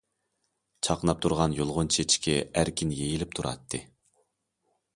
چاقناپ تۇرغان يۇلغۇن چېچىكى ئەركىن يېيىلىپ تۇراتتى.